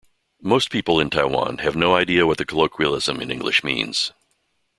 Most people in Taiwan have no idea what the colloquialism in English means.